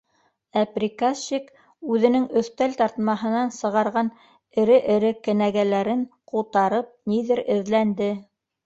Ә приказчик үҙенең өҫтәл тартмаһынан сығарған эре-эре кенәгәләрен ҡутарып ниҙер эҙләнде.